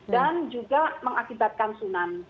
dan juga mengakibatkan sunan